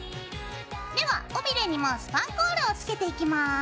では尾びれにもスパンコールを付けていきます。